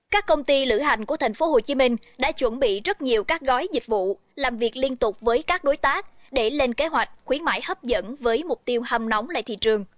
các công ty lựa hành của thành phố hồ chí minh đã chuẩn bị rất nhiều các gói dịch vụ làm việc liên tục với các đối tác để lên kế hoạch khuyến mãi hấp dẫn với mục tiêu hâm nóng lại thị trường